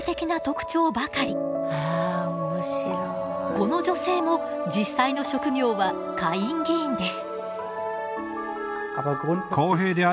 この女性も実際の職業は下院議員です。